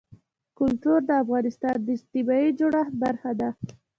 کلتور د افغانستان د اجتماعي جوړښت برخه ده.